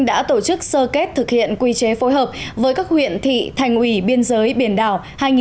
đã tổ chức sơ kết thực hiện quy chế phối hợp với các huyện thị thành ủy biên giới biển đảo hai nghìn hai mươi